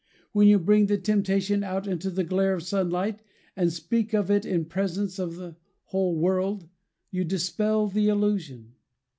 When you bring the temptation out into the glare of sunlight, and speak of it in presence of the whole world, you dispel the illusion.